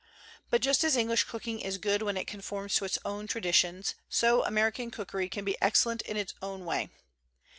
But just as English cooking is good when it con forms to its own traditions, so American cookery can be excellent in its own way.